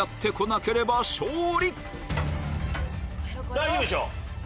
大丈夫でしょ。